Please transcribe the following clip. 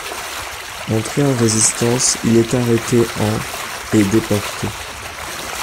Entré en Résistance, il est arrêté en et déporté.